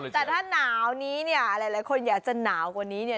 แต่ถ้าหนาวนี้เนี่ยหลายคนอยากจะหนาวกว่านี้เนี่ย